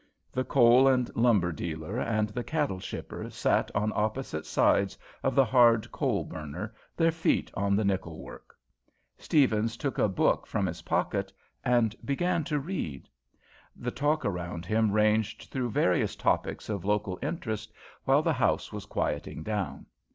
The coal and lumber dealer and the cattle shipper sat on opposite sides of the hard coal burner, their feet on the nickel work. Steavens took a book from his pocket and began to read. The talk around him ranged through various topics of local interest while the house was quieting down.